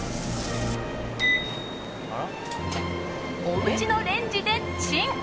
おうちのレンジでチン！